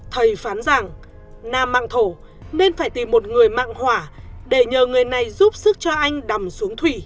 thầy phán rằng nam mạng thổ nên phải tìm một người mạng hỏa để nhờ người này giúp sức cho anh đầm xuống thủy